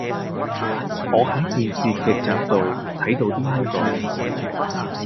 我喺電視劇集度睇倒啲香港人